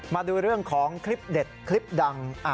มาดูเรื่องของคลิปเด็ดคลิปดัง